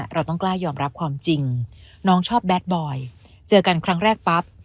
เราต้องกล้ายอมรับความจริงน้องชอบแดดบอยเจอกันครั้งแรกปั๊บ